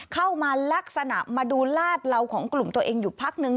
เข้ามาลักษณะมาดูลาดเหล่าของกลุ่มตัวเองอยู่พักนึง